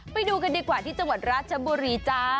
ไปดูกันดีกว่าที่จังหวัดราชบุรีจ้า